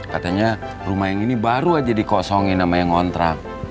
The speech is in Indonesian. katanya rumah yang ini baru aja dikosongin sama yang ngontrak